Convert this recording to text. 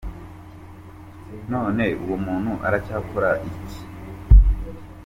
None uwo muntu aracyakora iki ?.